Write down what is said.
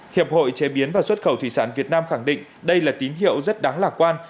hiệp hội chế biến và xuất khẩu thủy sản việt nam khẳng định đây là tín hiệu rất đáng lạc quan